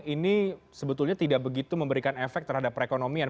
ini sebetulnya tidak begitu memberikan efek terhadap perekonomian